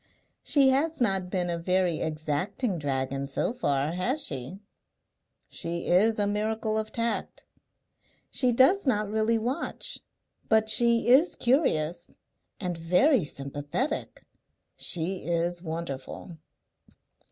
"She has not been a very exacting dragon so far, has she?" "She is a miracle of tact." "She does not really watch. But she is curious and very sympathetic." "She is wonderful."....